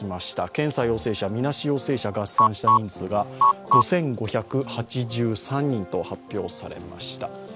検査陽性者、みなし陽性者を合算した人数５５８３人と発表されました。